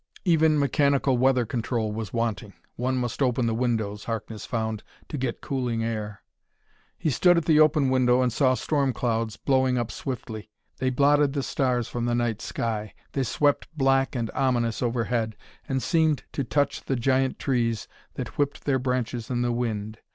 Even mechanical weather control was wanting; one must open the windows, Harkness found, to get cooling air. He stood at the open window and saw storm clouds blowing up swiftly. They blotted the stars from the night sky; they swept black and ominous overhead, and seemed to touch the giant trees that whipped their branches in the wind.